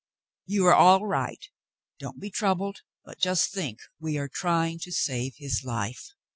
You are all right. Don't be troubled, but just think we are trying to save his life.